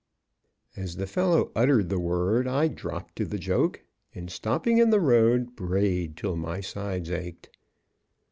As the fellow uttered the word, I dropped to the joke and, stopping in the road, brayed till my sides ached.